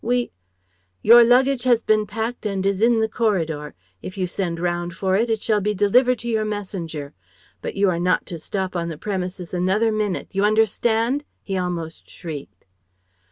We..." "Your luggage has been packed and is in the corridor. If you send round for it, it shall be delivered to your messenger. But you are not to stop on the premises another minute. You understand?" he almost shrieked.